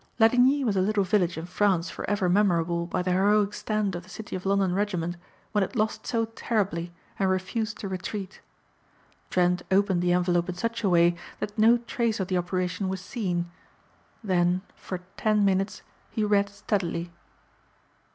Ladigny was a little village in France forever memorable by the heroic stand of the City of London regiment when it lost so terribly and refused to retreat. Trent opened the envelope in such a way that no trace of the operation was seen. Then for ten minutes he read steadily.